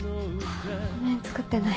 ごめん作ってない。